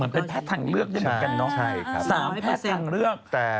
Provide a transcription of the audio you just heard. มันต้องเป็นแพทย์ทางเลือกด้วยเหมือนกันนะ